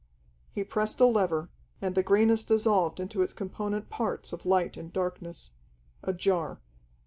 He pressed a lever, and the greyness dissolved into its component parts of light and darkness. A jar.